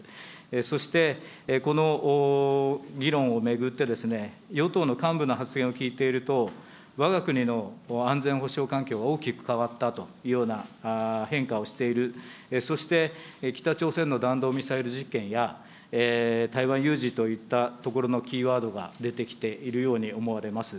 そしてこの議論を巡って、与党の幹部の発言を聞いていると、わが国の安全保障環境が大きく変わったというような変化をしている、そして北朝鮮の弾道ミサイル実験や、台湾有事といったところのキーワードが出てきているように思われます。